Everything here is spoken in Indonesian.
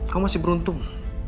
kamu masih beruntung